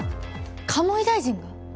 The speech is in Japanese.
鴨井大臣が？